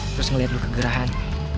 terus ngeliat lo kegerahan